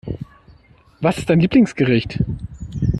Was ist dein Lieblingsgericht?